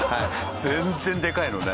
全然でかいのね。